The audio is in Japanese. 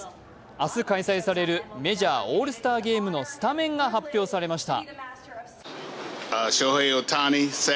明日開催されるメジャーオールスターゲームのスタメンが発表されました。